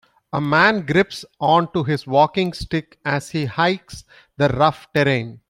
A man grips onto his walking stick as he hikes the rough terrain.